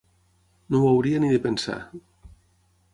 No ho hauria ni de pensar.